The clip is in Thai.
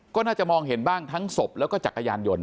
ก็น่าจะมองเห็นบ้างทั้งศพแล้วก็จักรยานยนต